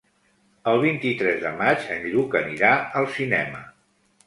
El vint-i-tres de maig en Lluc anirà al cinema.